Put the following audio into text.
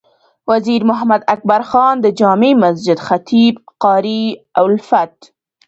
وزیر محمد اکبر خان د جامع مسجد خطیب قاري الفت،